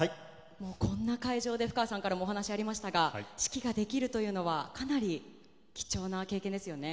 こんな会場でふかわさんからもお話がありましたが指揮ができるというのはかなり貴重な経験ですよね。